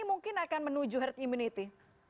mungkin akan menuju herd immunity